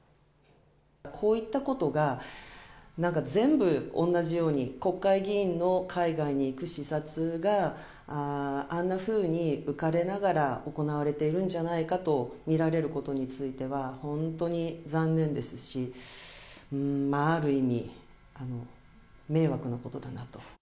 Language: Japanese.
こういったことがなんか全部、同じように、国会議員の海外に行く視察が、あんなふうに浮かれながら行われているんじゃないかと見られることについては、本当に残念ですし、うーん、まあある意味、迷惑なことだなと。